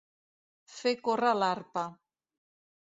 Fer córrer l'arpa.